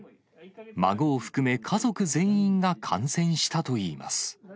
孫を含め家族全員が感染したといいます。